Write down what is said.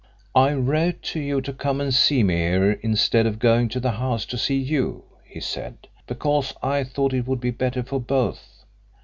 "I wrote to you to come and see me here instead of going to the house to see you," he said, "because I thought it would be better for both.